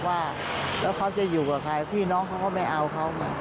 ว่าแล้วเขาจะอยู่กับใครพี่น้องเขาก็ไม่เอาเขาไง